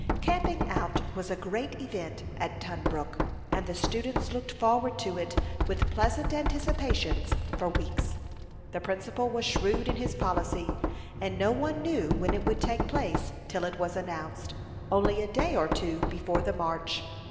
Camping out was a great event at Tunbrook, and the students looked forward to it with pleasant anticipations for weeks. The principal was shrewd in his policy, and no one knew when it would take place till it was announced, only a day or two before the march.